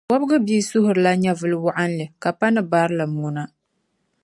Wɔbigu bia suhurila nyɛvili wɔɣinli ka pa ni barilim ŋuna.